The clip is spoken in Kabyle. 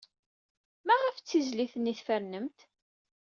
Maɣef d tizlit-nni ay tfernemt?